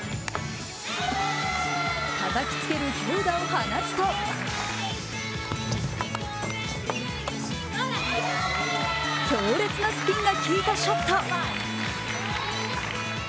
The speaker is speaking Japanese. たたきつける強打を放つと強烈なスピンが効いたショット。